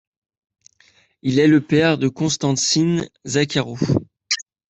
Il est le père de Kanstantsin Zakharaw.